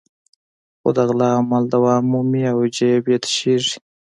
خو د غلا عمل دوام مومي او جېب یې تشېږي.